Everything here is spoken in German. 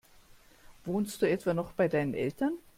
Wohnst du etwa noch bei deinen Eltern?